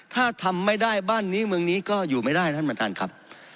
ถ้าทำไม่ได้บ้านนี้เมืองนี้ก็อยู่ไม่ได้ท่านประธานครับ